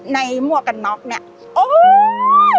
ในมวกกันน็อกเนี่ย